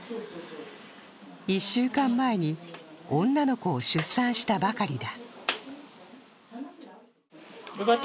１週間前に女の子を出産したばかりだ。